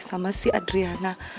sama si adriana